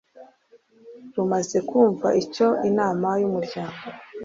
rumaze kumva icyo inama y'umuryango